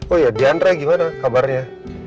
oh ya diandra gimana kabarnya